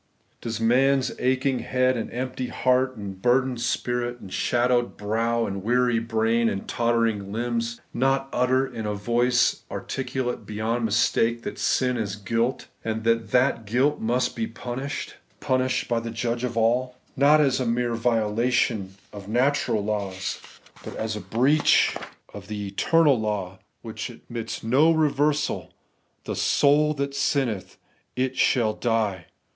Does man's aching head, and empty heart, and bur dened spirit, and shaded brow, and weary brain, and tottering limbs, not utter, in a voice articulate beyond mistake, that sin is guilt, that that guilt must be punished, — punished by the Judge of aU, — not as a mere ' violation of natural laws,' but as a breach GodJs Answer to MarCs Question, 11 of the eternal law, which admits of no reversal, ' The soul that sinneth, it shall die